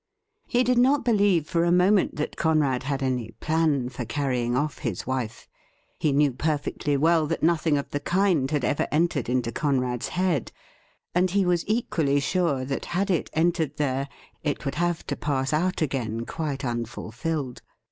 He did not believe for a moment that Conrad had any plan for carrying off his wife. He knew perfectly well that nothing of the kind had ever entered into Conrad's head, and he was equally sure that had it entered there, it would have to pass out again quite unfulfilled.